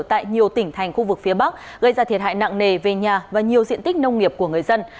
tại nhiều tỉnh thành khu vực phía bắc gây ra thiệt hại nặng nề về nhà và nhiều diện tích nông nghiệp của người dân